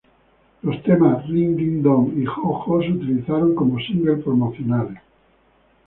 Los temas "Ring Ding Dong" y "Jo Jo" se utilizaron como singles promocionales.